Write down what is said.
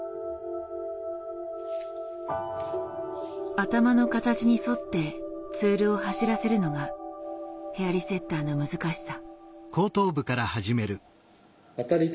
頭の形に沿ってツールを走らせるのがヘアリセッターの難しさ。